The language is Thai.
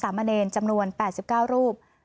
มะเนรจำนวน๘๙รูป